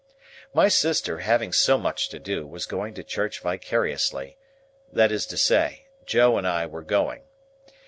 My sister, having so much to do, was going to church vicariously, that is to say, Joe and I were going.